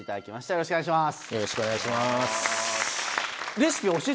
よろしくお願いします。